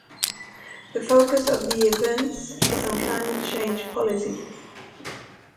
The focus of the events is on climate change policy.